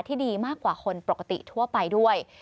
ดีมากกว่าคนปกติทั่วไปด้วย